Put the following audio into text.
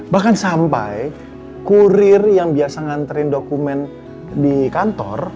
bahkan sampai kurir yang biasa nganterin dokumen di kantor